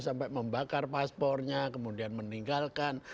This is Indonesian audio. sampai membakar paspornya kemudian meninggalkan